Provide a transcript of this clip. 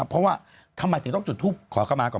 เพราะว่าทำไมถึงต้องจุดทูปขอเข้ามาก่อน